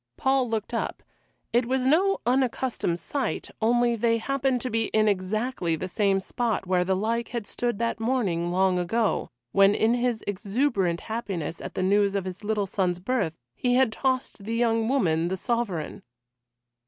Paul looked up it was no unaccustomed sight, only they happened to be in exactly the same spot where the like had stood that morning long ago, when in his exuberant happiness at the news of his little son's birth he had tossed the young woman the sovereign.